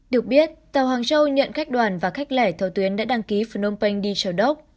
được biết tàu hàng châu nhận khách đoàn và khách lẻ theo tuyến đã đăng ký phnom penh đi châu đốc